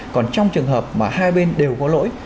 còn trong trường hợp mà hai bên đều có lỗi